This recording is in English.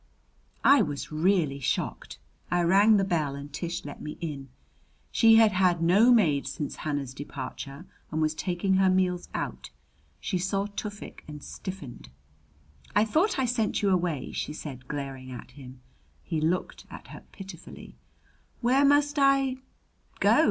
I was really shocked. I rang the bell and Tish let me in. She had had no maid since Hannah's departure and was taking her meals out. She saw Tufik and stiffened. "I thought I sent you away!" she said, glaring at him. He looked at her pitifully. "Where must I go?"